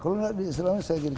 kalau tidak selama ini saya gini